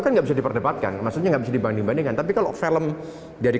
kan bisa diperbatkan maksudnya bisa dibanding bandingkan tapi kalau film dari